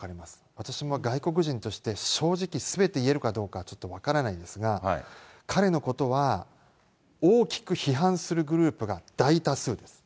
私も外国人として、正直、すべて言えるかどうかちょっと分からないんですが、彼のことは、大きく批判するグループが大多数です。